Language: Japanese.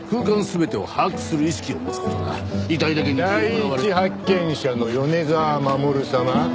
第一発見者の米沢守様。